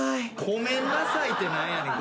こめんなさいって何やねん？